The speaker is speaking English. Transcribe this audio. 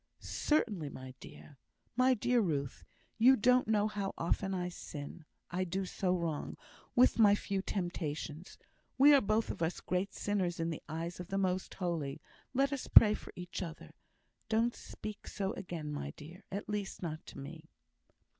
"Certainly, my dear. My dear Ruth, you don't know how often I sin; I do so wrong, with my few temptations. We are both of us great sinners in the eyes of the Most Holy; let us pray for each other. Don't speak so again, my dear; at least, not to me!"